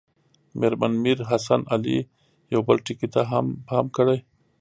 مېرمن میر حسن علي یو بل ټکي ته هم پام کړی.